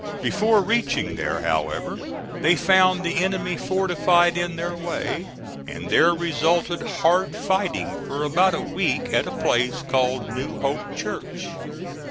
Before reaching there, however, they found the enemy fortified in their way, and there resulted hard fighting for about a week at a place called New Hope Church.